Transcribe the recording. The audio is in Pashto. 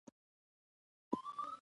• مینه د زړۀ ستوری دی.